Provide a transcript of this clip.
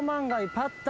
パッタイ。